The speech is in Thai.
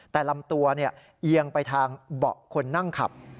แต่ลำตัวเอียงไปทางเบาะคนนั่งขับ